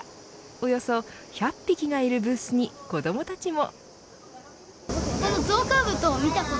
およそ１００匹がいるブースに子どもたちも。